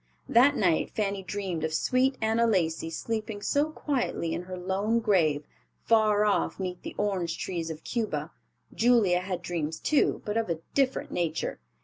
That night Fanny dreamed of sweet Anna Lacey, sleeping so quietly in her lone grave, far off 'neath the orange trees of Cuba. Julia had dreams, too, but of a different nature.